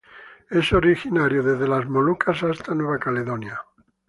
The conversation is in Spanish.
Es originario de las Molucas a Nueva Caledonia.